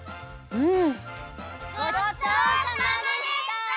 うん！